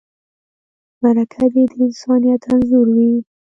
مرکه دې د انسانیت انځور وي.